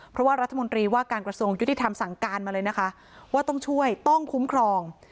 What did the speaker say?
เพราะว่ารัฐมนตรีว่าการกระทรวงยุติธรรมสั่งการมาเลยนะคะว่าต้องช่วยต้องคุ้มครอง